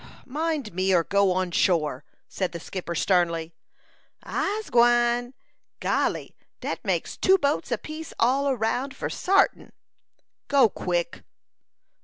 "Mind me, or go on shore!" said the skipper, sternly. "I'se gwine. Golly! dat makes two boats apiece all round, for sartin." "Go, quick!"